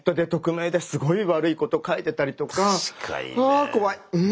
あ怖い！